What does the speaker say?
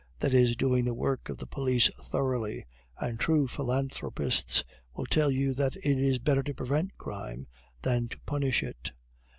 That is doing the work of the police thoroughly, and true philanthropists will tell you that it is better to prevent crime than to punish it."